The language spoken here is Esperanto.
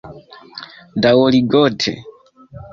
Daŭrigote